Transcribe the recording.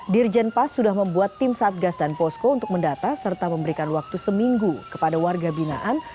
dirjen pas sudah membuat tim satgas dan posko untuk mendata serta memberikan waktu seminggu kepada warga binaan